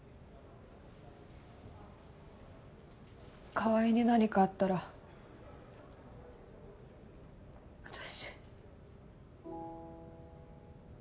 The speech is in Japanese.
川合に何かあったら私。